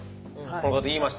この方言いました。